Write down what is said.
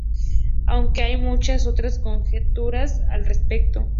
Aunque hay muchas otras conjeturas al respecto.